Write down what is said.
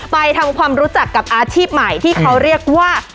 ไปทำความรู้จักกับอาชีพใหม่ที่เขาเรียกว่า